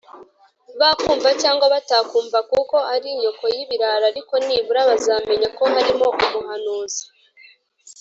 Bakumva cyangwa batakumva, kuko ari inyoko y’ibirara, ariko nibura bazamenya ko barimo umuhanuzi